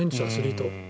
アスリート。